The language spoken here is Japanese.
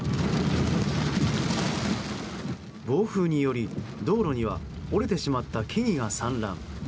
暴風により、道路には折れてしまった木々が散乱。